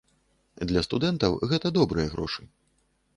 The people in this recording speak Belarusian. Для студэнтаў гэта добрыя грошы.